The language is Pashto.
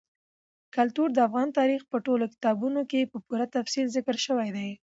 کلتور د افغان تاریخ په ټولو کتابونو کې په پوره تفصیل ذکر شوی دي.